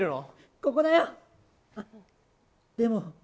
ここだよ、あっ、でも。